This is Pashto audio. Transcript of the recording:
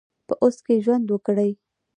په اوس کې ژوند وکړئ